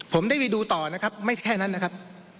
ผมได้ไปดูต่อนะครับไม่ใช่แค่นั้นนะครับ